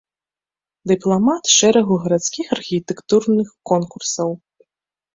Дыпламант шэрагу гарадскіх архітэктурных конкурсаў.